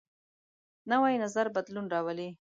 نوی نظر بدلون راولي